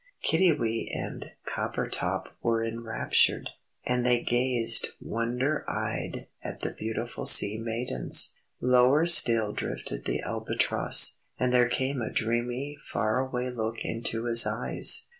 Kiddiwee and Coppertop were enraptured. And they gazed wonder eyed at the beautiful sea maidens. Lower still drifted the Albatross, and there came a dreamy far away look into his eyes.